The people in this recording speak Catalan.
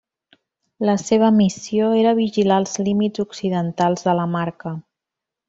La seva missió era vigilar els límits occidentals de la Marca.